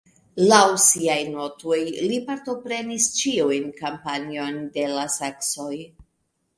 Laŭ siaj notoj li partoprenis ĉiujn kampanjojn de la saksoj.